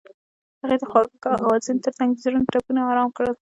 هغې د خوږ اوازونو ترڅنګ د زړونو ټپونه آرام کړل.